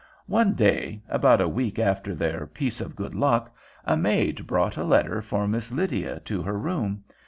One day, about a week after their piece of good luck, a maid brought a letter for Miss Lydia to her room.